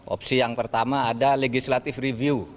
opsi yang pertama ada legislative review